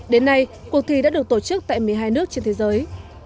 đến nay cuộc thi đã được tổ chức tại một mươi hai nước trên thế giới